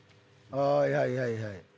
ああはいはいはい。